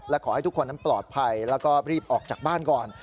และขอให้ทุกคนนั้นปลอดภัยแล้วก็รีบออกจากบ้านก่อน